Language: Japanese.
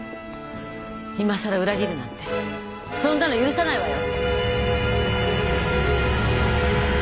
いまさら裏切るなんてそんなの許さないわよ！